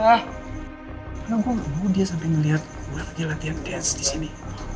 karena gue gak mau dia sampe ngeliat gue lagi latihan dance disini